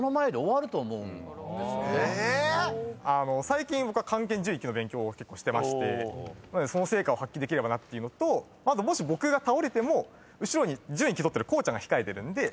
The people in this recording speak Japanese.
最近僕は漢検準１級の勉強をしてましてその成果を発揮できればなっていうのともし僕が倒れても後ろに準１級取ってるこうちゃんが控えてるんで心配ないかなと。